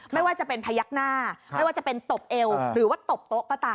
ไม่ว่าจะเป็นพยักหน้าไม่ว่าจะเป็นตบเอวหรือว่าตบโต๊ะก็ตาม